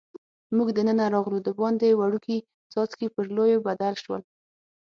موږ دننه راغلو، دباندې وړوکي څاڅکي پر لویو بدل شول.